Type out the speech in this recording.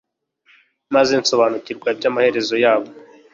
maze nsobanukirwa iby'amaherezo yabo